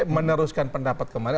meneruskan pendapat kemarin